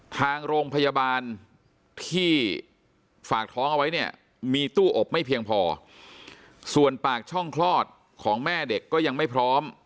ทางโรงพยาบาลที่ฝากท้องเอาไว้เนี่ยมีตู้อบไม่เพียงพอส่วนปากช่องคลอดของแม่เด็กก็ยังไม่พร้อม